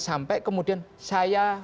sampai kemudian saya